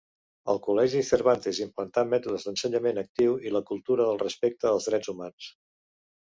Al col·legi Cervantes implantà mètodes d'ensenyament actiu i la cultura del respecte als drets humans.